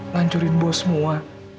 ngancurin bos semua